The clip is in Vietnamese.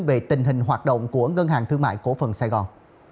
về tình hình hoạt động của ngân hàng thương mại cổ phần sài gòn